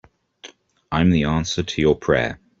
I'm the answer to your prayer.